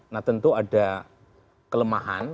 nah tentu ada kelemahan